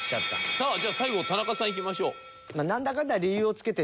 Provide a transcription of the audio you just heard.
さあじゃあ最後田中さんいきましょう。